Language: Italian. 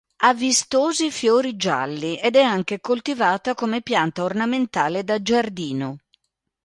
Ha vistosi fiori gialli ed è anche coltivata come pianta ornamentale da giardino.